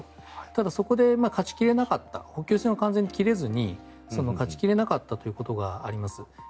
ただ、そこで勝ち切れなかった補給線は完全に切れずに勝ち切れなかったということがあります。